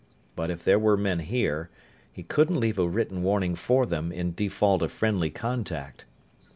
But if there were men here, he couldn't leave a written warning for them in default of friendly contact.